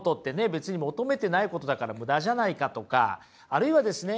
別に求めてないことだからムダじゃないかとかあるいはですね